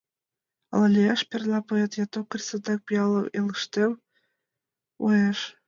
Ала лияш перна поэт я токарь Садак пиалым элыштем муэш.